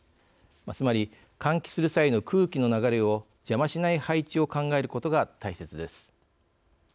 つまり、換気する際の空気の流れを邪魔しない配置を考えることが大切です。